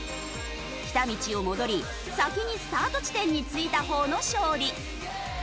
来た道を戻り先にスタート地点に着いた方の勝利。